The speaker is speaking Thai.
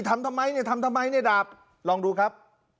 ทำทำไมเนี่ยทำทำไมเนี่ยดาบลองดูครับ